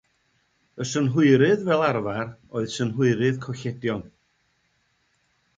Y synhwyrydd fel arfer oedd synhwyrydd colledion.